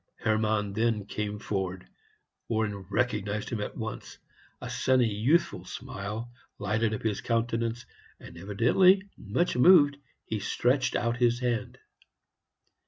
Hermann then came forward. Warren recognized him at once; a sunny, youthful smile lighted up his countenance, and, evidently much moved, he stretched out his hand.